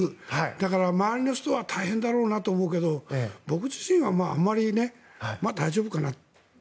だから、周りの人は大変だろうなと思うけど僕自身はあまりねまあ大丈夫かなって。